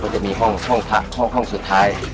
จะมีห้องพระห้องสุดท้าย